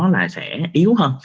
là sẽ yếu hơn